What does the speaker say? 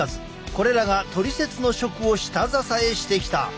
これらがトリセツの食を下支えしてきた。